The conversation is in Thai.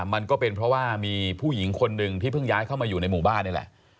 มันก็เป็นเพราะว่ามีผู้หญิงคนหนึ่งที่เพิ่งย้ายเข้ามาอยู่ในหมู่บ้านนี่แหละ